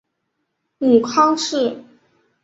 母康氏。